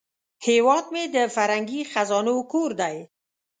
هیواد مې د فرهنګي خزانو کور دی